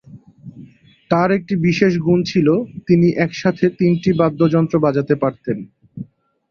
তার একটি বিশেষ গুণ ছিল তিনি একসাথে তিনটি বাদ্যযন্ত্র বাজাতে পারতেন।